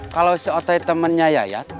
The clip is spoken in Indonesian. kalau si otoy temennya yayat